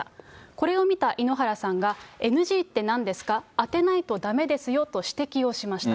これを見た井ノ原さんが、ＮＧってなんですか、当てないとだめですよと指摘をしました。